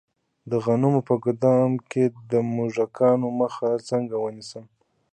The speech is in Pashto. د غنمو په ګدام کې د موږکانو مخه څنګه ونیسم؟